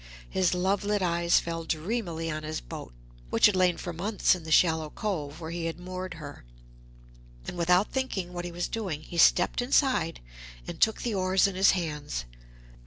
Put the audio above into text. His love lit eyes fell dreamily on his boat, which had lain for months in the shallow cove where he had moored her, and without thinking what he was doing, he stepped inside and took the oars in his hands.